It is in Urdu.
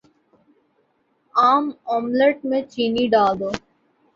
عام آملیٹ میں چینی ڈال دو